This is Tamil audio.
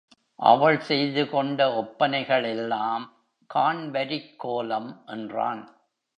அவள் செய்து கொண்ட ஒப்பனைகள் எல்லாம், காண்வரிக் கோலம் என்றான்.